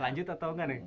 lanjut atau enggak nih